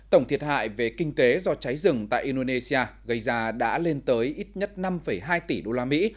tổng thiệt hại về kinh tế do cháy rừng tại indonesia gây ra đã lên tới ít nhất năm hai tỷ đô la mỹ